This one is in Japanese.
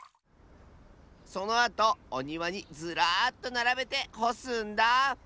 そのあとおにわにずらっとならべてほすんだ！